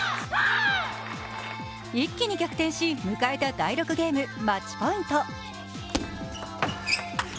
一気に逆転し迎えた第６ゲームマッチポイント。